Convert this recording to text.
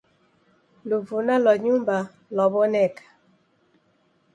Luvuna lwa nyumba lwanoneka